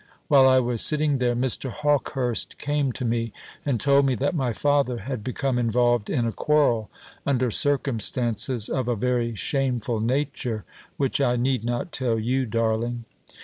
While I was sitting there Mr. Hawkehurst came to me, and told me that my father had become involved in a quarrel, under circumstances of a very shameful nature, which I need not tell you, darling.